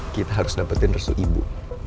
kita harus dapetin resu ibu